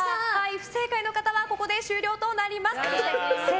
不正解の方はここで終了となります。